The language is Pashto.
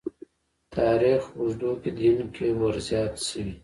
تاریخ اوږدو کې دین کې ورزیات شوي.